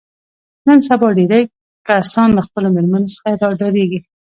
نن سبا ډېری کسان له خپلو مېرمنو څخه ډارېږي.